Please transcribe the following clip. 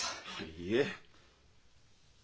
いいえ。